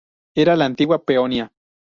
Era la antigua Peonia.